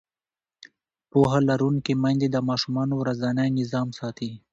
پوهه لرونکې میندې د ماشومانو ورځنی نظم ساتي.